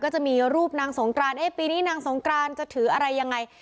จะมีรูปนางสงกรานเอ๊ะปีนี้นางสงกรานจะถืออะไรยังไง